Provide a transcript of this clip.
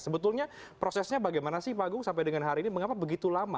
sebetulnya prosesnya bagaimana sih pak agung sampai dengan hari ini mengapa begitu lama